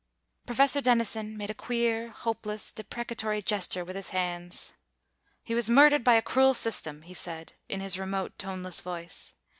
Professor Denison made a queer, hopeless, deprecatory gesture with his hands. "He was murdered by a cruel system," he said, in his remote, toneless voice.